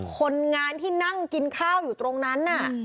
คนงานที่นั่งกินข้าวอยู่ตรงนั้นน่ะ